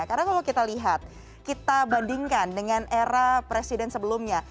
karena kalau kita lihat kita bandingkan dengan era presiden sebelumnya